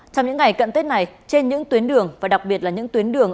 trong những ngày cận tết này trên những tuyến đường và đặc biệt là những tuyến đường